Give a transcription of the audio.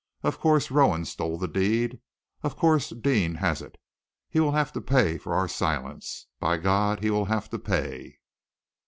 Of course Rowan stole the deed! Of course Deane has it! He will have to pay for our silence! By God, he will have to pay!"